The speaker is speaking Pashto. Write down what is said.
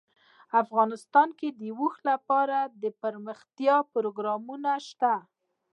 افغانستان کې د اوښ لپاره دپرمختیا پروګرامونه شته.